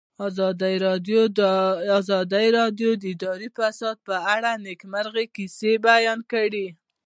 ازادي راډیو د اداري فساد په اړه د نېکمرغۍ کیسې بیان کړې.